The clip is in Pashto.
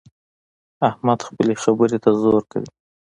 احمد خپلې خبرې ته زور کوي.